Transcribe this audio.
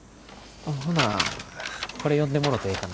ほなこれ読んでもろてええかな？